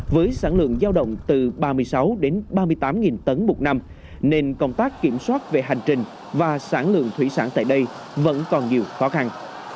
với sản lượng giao động từ ba mươi sáu đến ba mươi tám tấn một năm nên công tác kiểm soát về hành trình và sản lượng thủy sản tại đây vẫn còn nhiều khó khăn